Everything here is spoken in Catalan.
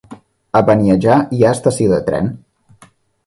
A Beniatjar hi ha estació de tren?